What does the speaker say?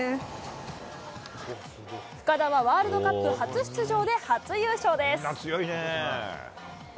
深田はワールドカップ初出場で初優勝です。